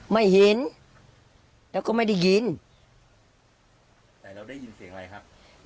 ไม่เห็นแล้วก็ไม่ได้ยินแต่เราได้ยินเสียงอะไรครับ